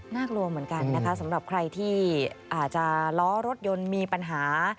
น่ากลัวเหมือนกันนะคะสำหรับใครที่อาจจะล้อรถยนต์มีปัญหา